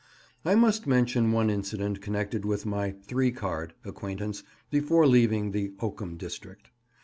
I must mention one incident connected with my "three card" acquaintance before leaving the oakum district.